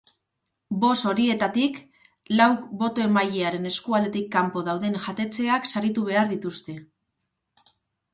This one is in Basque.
Boz horietatik lauk boto-emailearen eskualdetik kanpo dauden jatetxeak saritu behar dituzte.